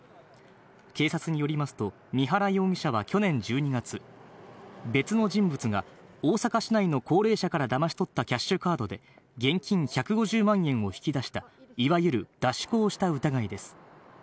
警察によりますと、三原容疑者は去年１２月、別の人物が大阪市内の高齢者からだまし取ったキャッシュカードで、現金１５０万円を引き出した、いわゆる出し子をした疑いです。